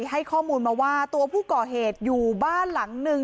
ให้ข้อมูลมาว่าตัวผู้ก่อเหตุอยู่บ้านหลังหนึ่ง